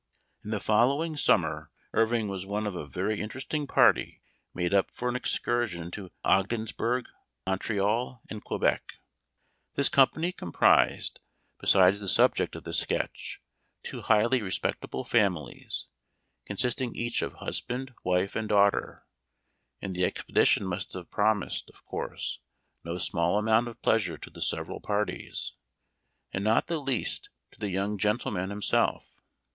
In the following summer Irving was one of a very interesting party made up for an excursion to Ogdensburg, Montreal, and Quebec. This Memoir of Washington Irving. 25 company comprised, besides the subject of this sketch, two highly respectable families, consist ing each of husband, wife, and daughter, and the expedition must have promised, of course, no small amount of pleasure to the several par ties, and not the least to the young gentleman himself.